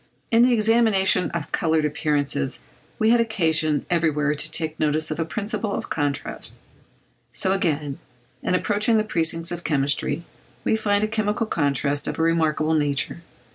In the examination of coloured appearances we had occasion everywhere to take notice of a principle of contrast: so again, in approaching the precincts of chemistry, we find a chemical contrast of a remarkable nature.